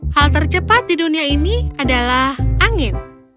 hal tercepat di dunia ini adalah angin